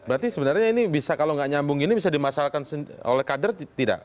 berarti sebenarnya ini bisa kalau nggak nyambung ini bisa dimasalkan oleh kader tidak